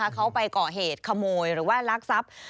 เขาไปก่อเหตุขโมยหรือว่าลักทรัพย์